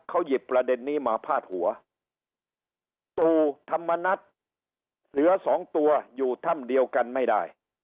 เขาหยิบประเด็นนี้มาพาดหัวตู่ธรรมนัฏเหลือสองตัวอยู่ถ้ำเดียวกันไม่ได้